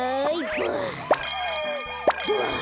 ばあ！